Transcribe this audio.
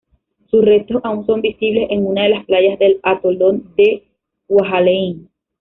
Sus restos aún son visibles en una de las playas del atolón de Kwajalein.